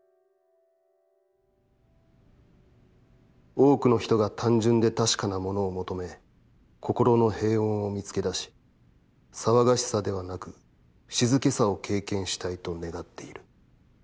「多くのひとが単純で確かなものを求め、心の平穏を見つけだし、騒がしさではなく静けさを経験したいと願っている。